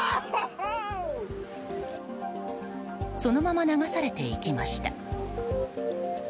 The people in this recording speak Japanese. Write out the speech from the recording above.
そのまま流されていきました。